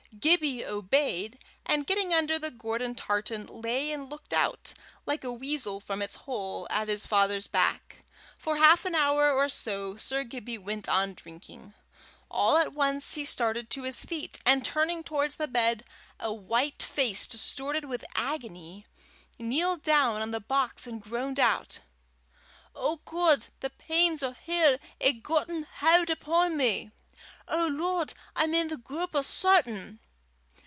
Gibbie obeyed, and getting under the Gordon tartan, lay and looked out, like a weasel from its hole, at his father's back. For half an hour or so Sir George went on drinking. All at once he started to his feet, and turning towards the bed a white face distorted with agony, kneeled down on the box and groaned out: "O God, the pains o' hell hae gotten haud upo' me. O Lord, I'm i' the grup o' Sawtan.